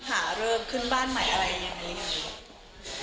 หาเริ่มขึ้นบ้านใหม่อะไรยังไง